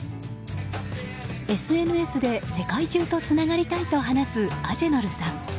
ＳＮＳで世界中とつながりたいと話すアジェノルさん。